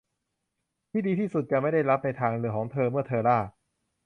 ที่ดีที่สุดที่จะไม่ได้รับในทางของเธอเมื่อเธอล่า